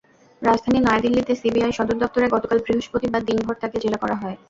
রাজধানী নয়াদিল্লিতে সিবিআই সদর দপ্তরে গতকাল বৃহস্পতিবার দিনভর তাঁকে জেরা করা হয়।